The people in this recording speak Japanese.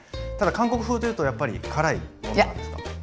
ただ韓国風というとやっぱり辛いものなんですか？